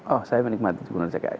oh saya menikmati gubernur dki